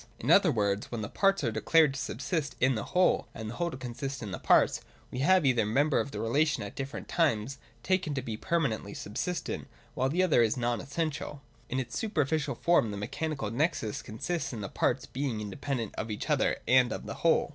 In other words, when the parts are declared to subsist in the whole, and the whole to con sist of the parts, we have either member of the relation 136.] FORCE. 247 at different times taken to be permanently subsistent, while the other is non essential. In its superficial form the mechanical nexus consists in the parts being inde pendent of each other and of the whole.